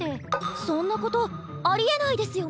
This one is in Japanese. そんなことありえないですよね？